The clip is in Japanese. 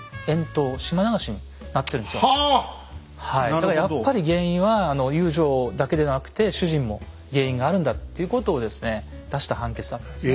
だからやっぱり原因は遊女だけでなくて主人も原因があるんだっていうことをですね出した判決だったんですね。